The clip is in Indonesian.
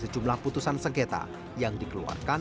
sejumlah putusan sengketa yang dikeluarkan